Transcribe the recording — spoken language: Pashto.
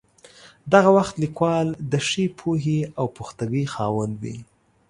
دغه وخت لیکوال د ښې پوهې او پختګۍ خاوند وي.